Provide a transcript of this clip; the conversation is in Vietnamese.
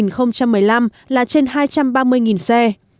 năm hai nghìn một mươi năm là trên hai trăm ba mươi xe